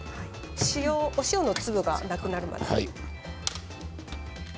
お塩の粒がなくなるまで。